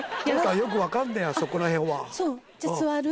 父さんよくわかんねえやそこら辺は。